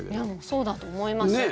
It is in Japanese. そうだと思います。